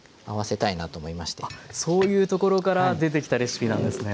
あっそういうところから出てきたレシピなんですね。